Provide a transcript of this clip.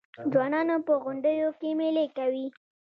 ځوانان په غونډیو کې میلې کوي.